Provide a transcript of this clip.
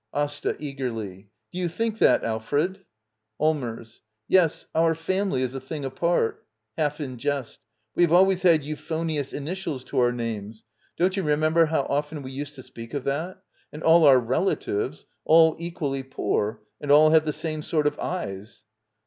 Asta. [Eagerly.] Do you think that, Alfred? Allmers. Yes, our family is a thing apart. [Half in jest] We have always had euphonious initials to our names. Don't you remember how often we used to speak of that? And all our rela tives — all equally poor. And all have the same sort of eyes.